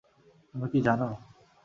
তুমি কি জান?